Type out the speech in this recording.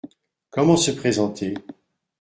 Comment se présenter ?